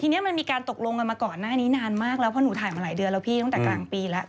ทีนี้มันมีการตกลงกันมาก่อนหน้านี้นานมากแล้วเพราะหนูถ่ายมาหลายเดือนแล้วพี่ตั้งแต่กลางปีแล้ว